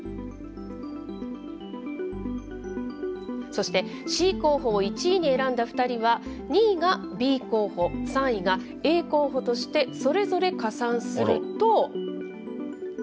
そしてＣ候補を１位に選んだ２人は、２位がＢ候補、３位がＡ候補としてそれぞれ加算すると。